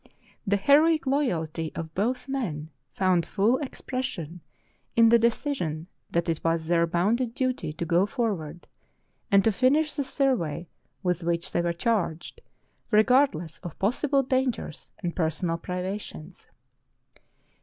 The heroic loyalty of both men found full ex pression in the decision that it was their bounden duty to go forward, and to finish the survey with which they were charged, regardless of possible dangers and personal privations.